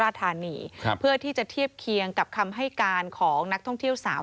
ราธานีครับเพื่อที่จะเทียบเคียงกับคำให้การของนักท่องเที่ยวสาว